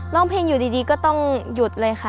ร้องเพลงอยู่ดีก็ต้องหยุดเลยค่ะ